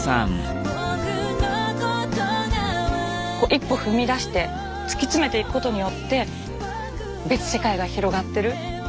一歩踏み出して突き詰めていくことによって別世界が広がってる。